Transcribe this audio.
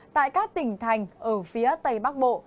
tại các tỉnh thành ở phía tây bắc bộ